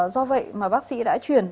do vậy mà bác sĩ đã chuyển